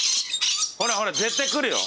ほらほら絶対来るよ。